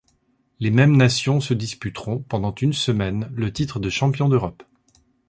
Les mêmes nations se disputeront pendant une semaine le titre de champion d'Europe.